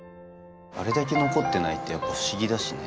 あれだけ残ってないってやっぱ不思議だしね。